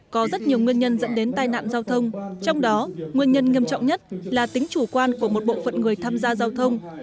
có rất nhiều nguyên nhân dẫn đến tai nạn giao thông trong đó nguyên nhân nghiêm trọng nhất là tính chủ quan của một bộ phận người tham gia giao thông